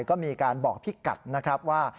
ก็มีการบอกพี่กัดนะครับว่า